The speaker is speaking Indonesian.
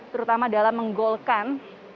terutama dalam menggolkan